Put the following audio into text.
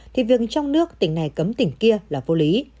thì việc trong nước tỉnh này cấm tỉnh kia là vô lý